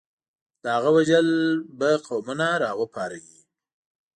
د هغه وژل به قومونه راوپاروي.